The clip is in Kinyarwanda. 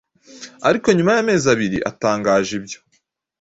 ariko nyuma y’amezi abiri atangaje ibyo